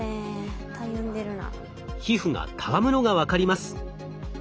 皮膚がたわむのが分かります。